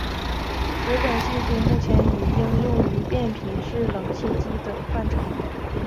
此等技术目前已应用于变频式冷气机等范畴。